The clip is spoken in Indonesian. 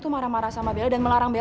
tuh marah marah sama beli dan melarang